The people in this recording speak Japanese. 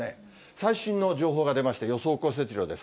最新の情報が出まして、予想降雪量です。